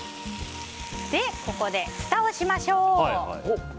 ここで、ふたをしましょう。